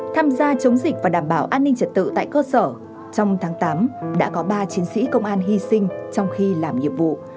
tham gia chống dịch và đảm bảo an ninh trật tự tại cơ sở trong tháng tám đã có ba chiến sĩ công an hy sinh trong khi làm nhiệm vụ